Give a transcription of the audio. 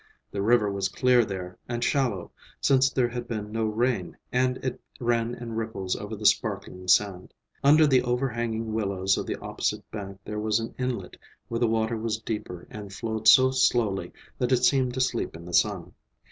The river was clear there, and shallow, since there had been no rain, and it ran in ripples over the sparkling sand. Under the overhanging willows of the opposite bank there was an inlet where the water was deeper and flowed so slowly that it seemed to sleep in the sun.